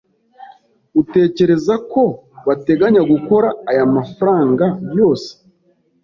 Utekereza ko bateganya gukora aya mafranga yose?